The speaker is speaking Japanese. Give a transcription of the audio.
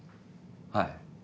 はい。